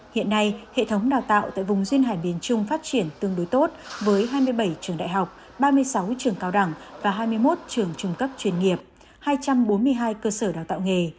hiện nay hệ thống đào tạo tại vùng duyên hải miền trung phát triển tương đối tốt với hai mươi bảy trường đại học ba mươi sáu trường cao đẳng và hai mươi một trường trung cấp chuyên nghiệp hai trăm bốn mươi hai cơ sở đào tạo nghề